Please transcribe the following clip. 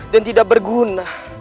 dan tidak berguna